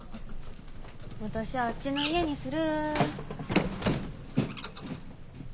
私あっちの家にする。